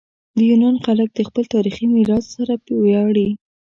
د یونان خلک د خپل تاریخي میراث سره ویاړي.